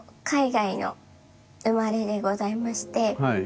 はい。